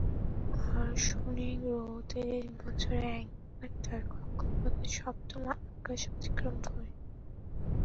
আর শনিগ্রহ ত্রিশ বছরে একবার তার কক্ষপথ সপ্তম আকাশ অতিক্রম করে।